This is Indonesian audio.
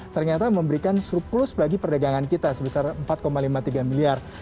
ternyata memberikan surplus bagi perdagangan kita sebesar empat lima puluh tiga miliar